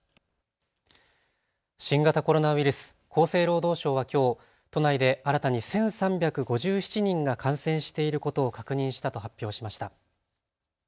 新型コロナウイルス、厚生労働省はきょう都内で新たに１３５７人が感染していることを確認したと発表しました。